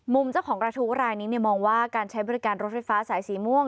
เจ้าของกระทู้รายนี้มองว่าการใช้บริการรถไฟฟ้าสายสีม่วง